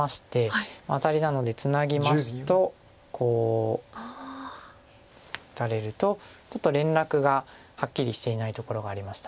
アタリなのでツナぎますとこう打たれるとちょっと連絡がはっきりしていないところがありました。